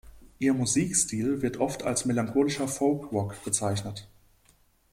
Ihr Musikstil wird oft als melancholischer Folk-Rock bezeichnet.